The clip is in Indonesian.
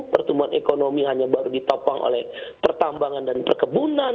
pertumbuhan ekonomi hanya baru ditopang oleh pertambangan dan perkebunan